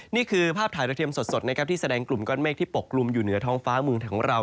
นี่คือภาพถ่ายระเทียมสดนะครับที่แสดงกลุ่มก้อนเมฆที่ปกลุ่มอยู่เหนือท้องฟ้าเมืองของเรา